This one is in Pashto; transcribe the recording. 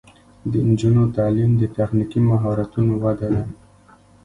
د نجونو تعلیم د تخنیکي مهارتونو وده ده.